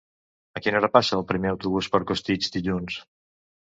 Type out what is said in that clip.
A quina hora passa el primer autobús per Costitx dilluns?